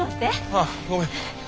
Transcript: ああごめん。